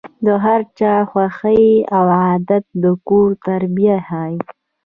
د هر چا خوی او عادت د کور تربیه ښيي.